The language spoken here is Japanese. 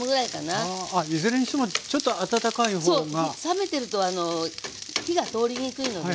冷めてると火が通りにくいのでね。